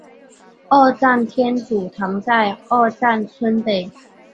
二站天主堂在二站村北。